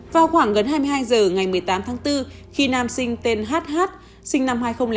vào khoảng gần hai mươi hai h ngày một mươi tám tháng bốn khi nam sinh tên hát hát sinh năm hai nghìn bảy